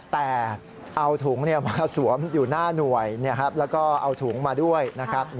แต่เอาถุงมาสวมอยู่หน้าหน่วยแล้วก็เอาถุงมาด้วยนะครับ